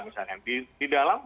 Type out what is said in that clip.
misalnya di dalam